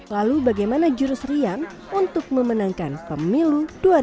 lalu bagaimana jurus riang untuk memenangkan pemilu dua ribu dua puluh